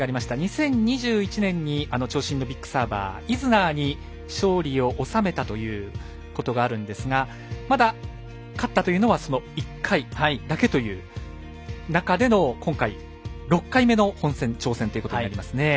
２０２１年に長身のビッグサーバーイズナーに勝利を収めたということがあるんですがまだ勝ったというのはその１回だけという中での今回、６回目の本戦挑戦ということになりますね。